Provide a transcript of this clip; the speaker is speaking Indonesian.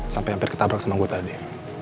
sampai hampir ketabrak sama gue tadi